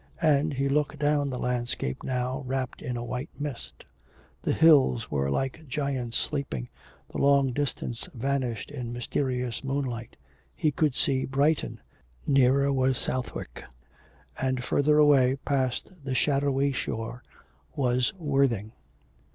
And he looked down the landscape now wrapped in a white mist. The hills were like giants sleeping, the long distance vanished in mysterious moonlight. He could see Brighton, nearer was Southwick; and further away, past the shadowy shore, was Worthing.